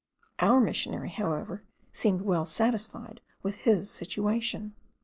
Our missionary, however, seemed well satisfied with his situation.